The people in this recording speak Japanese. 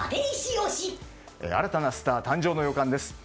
新たなスター誕生の予感です。